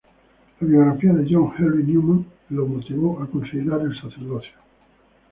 La biografía de John Henry Newman lo motivó a considerar el sacerdocio.